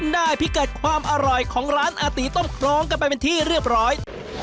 ได้พิกัดความอร่อยของร้านอาตีต้มคล้องกันไปเป็นที่เรียบร้อย